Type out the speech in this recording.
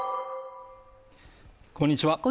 こんにちは